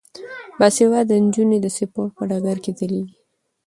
باسواده نجونې د سپورت په ډګر کې ځلیږي.